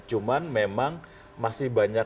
cuman memang masih banyak